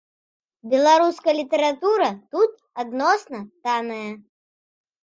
Беларуская літаратура тут адносна танная.